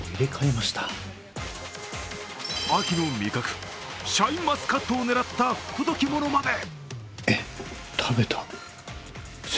秋の味覚シャインマスカットを狙った不届き者まで！